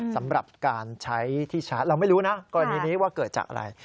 สำหรับการใช้ที่ชาร์จเราไม่รู้นะกรณีนี้ว่าเกิดจากอะไร